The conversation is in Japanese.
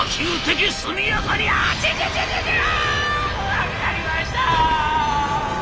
分かりました！」。